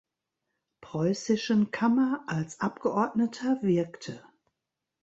Preußischen Kammer als Abgeordneter wirkte.